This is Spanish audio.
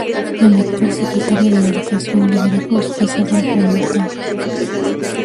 El actual secretario de Educación de Veracruz es Adolfo Mota.